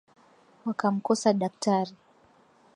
Wakamkosa daktari